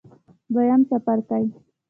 دویم څپرکی